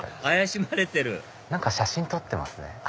怪しまれてる何か写真撮ってますね。